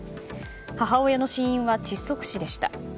母親の死因は窒息死でした。